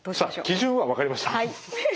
基準は分かりましたよ。